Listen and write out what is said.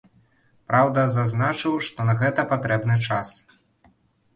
Праўда, зазначыў, што на гэта патрэбны час.